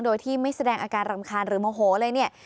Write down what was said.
โดยที่ไม่แสดงอาการรำคาญหรือโมโหเลยเนี่ย